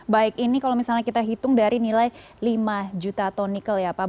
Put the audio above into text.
baik ini kalau misalnya kita hitung dari nilai lima juta tonycal ya pak